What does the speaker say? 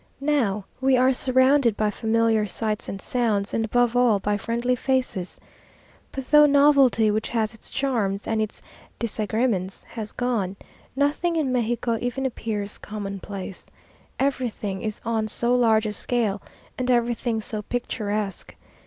Now we are surrounded by familiar sights and sounds, and above all by friendly faces. But though novelty, which has its charms and its désagrémens, has gone, nothing in Mexico even appears commonplace. Everything is on so large a scale, and everything so picturesque.